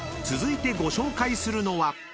［続いてご紹介するのは］